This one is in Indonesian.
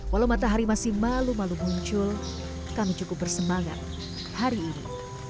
walau matahari masih malu malu muncul kami cukup bersemangat hari ini